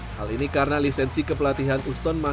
hal ini karena lisensi kepelatihan tersebut tidak bisa diperlukan